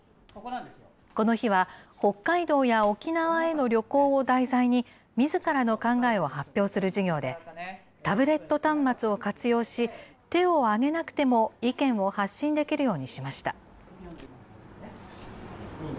この日は、北海道や沖縄への旅行を題材に、みずからの考えを発表する授業で、タブレット端末を活用し、手を挙げなくても意見を発信できるようにしました。